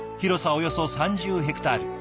およそ３０ヘクタール。